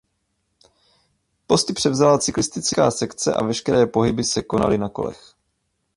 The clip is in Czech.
Postupně akci převzala cyklistická sekce a veškeré pohyby se konaly na kolech.